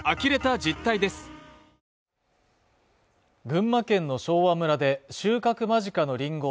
群馬県の昭和村で収穫間近のリンゴ